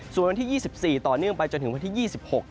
ส่วนวันที่๒๔ต่อเนื่องไปจนถึงวันที่๒๖